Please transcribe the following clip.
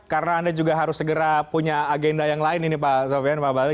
karena anda juga harus segera punya agenda yang lain ini pak sofyan pak bahlil